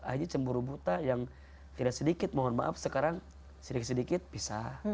aja cemburu buta yang tidak sedikit mohon maaf sekarang sedikit sedikit pisah